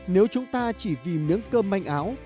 nếu chúng ta chỉ vì miếng cơm manh áo